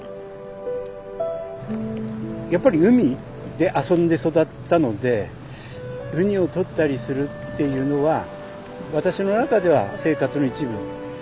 やっぱり海で遊んで育ったのでウニを採ったりするっていうのは私の中では生活の一部。